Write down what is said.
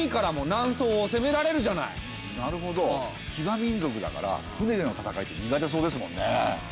なるほど騎馬民族だから船での戦いって苦手そうですもんね。